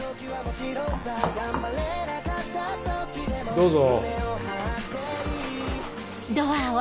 どうぞ。